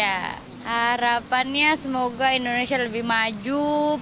ya harapannya semoga indonesia lebih maju